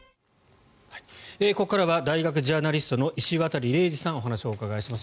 ここからは大学ジャーナリストの石渡嶺司さんにお話をお伺いします。